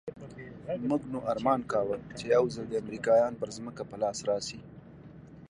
موږ نو ارمان کاوه چې يو ځل دې امريکايان پر ځمکه په لاس راسي.